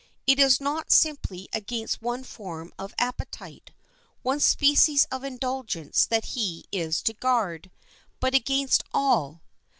It is not simply against one form of appetite, one species of indulgence that he is to guard, but against all.